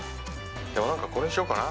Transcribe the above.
でも何かこれにしようかな。